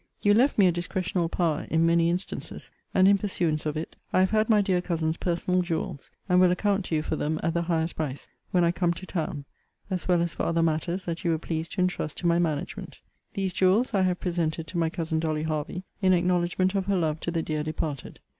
You left me a discretional power in many instances; and, in pursuance of it, I have had my dear cousin's personal jewels, and will account to you for them, at the highest price, when I come to town, as well as for other matters that you were pleased to intrust to my management. These jewels I have presented to my cousin Dolly Hervey, in acknowledgement of her love to the dear departed.